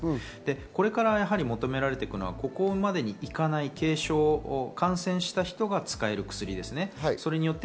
これから求められてくるのはここまでに行かない軽症、感染した人が使える薬です。